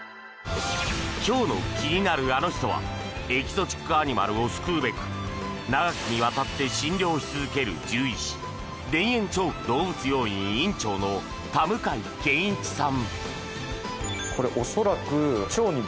今日の気になるアノ人はエキゾチックアニマルを救うべく長きにわたって診療し続ける獣医師田園調布動物病院院長の田向健一さん。